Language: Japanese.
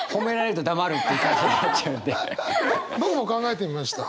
僕も考えてみました。